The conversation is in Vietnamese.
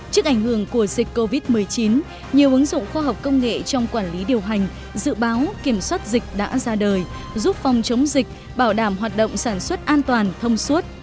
trước ảnh hưởng của dịch covid một mươi chín nhiều ứng dụng khoa học công nghệ trong quản lý điều hành dự báo kiểm soát dịch đã ra đời giúp phòng chống dịch bảo đảm hoạt động sản xuất an toàn thông suốt